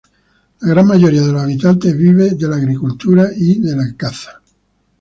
La gran mayoría de los habitantes vive de la agricultura y de la caza.